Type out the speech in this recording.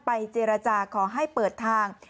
เจรจาขอให้เปิดทาง